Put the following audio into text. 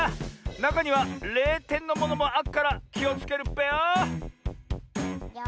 なかには０てんのものもあっからきをつけるっぺよ！